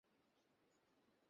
কিন্তু তিনি আমার মা।